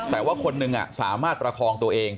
แต่ว่าคนหนึ่งสามารถประคองตัวเอง